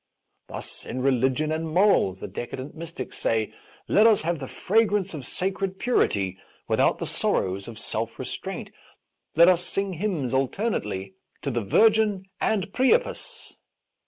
Thus, in religion and morals, the decadent mystics say :'' Let us have the fragrance of sacred purity without the sorrows of self restraint ; let us sing hymns alternately to the Virgin and Priapus."